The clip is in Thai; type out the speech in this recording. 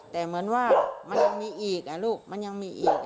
แต่เหมือนว่ามันยังมีอีกลูกมันยังมีอีก